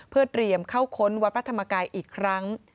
เพื่อเตรียมเข้าค้นวัดพระธรรมกายอีกครั้ง